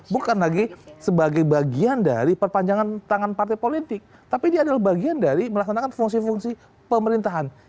bukan lagi sebagai bagian dari perpanjangan tangan partai politik tapi dia adalah bagian dari melaksanakan fungsi fungsi pemerintahan